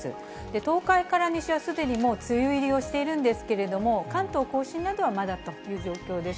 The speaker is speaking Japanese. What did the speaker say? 東海から西はすでにもう梅雨入りをしているんですけれども、関東甲信などはまだという状況です。